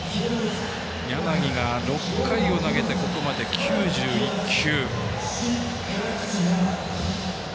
柳が６回を投げてここまで９１球。